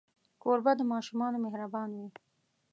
کوربه د ماشومانو مهربان وي.